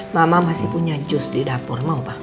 mama masih punya jus di dapur mau pak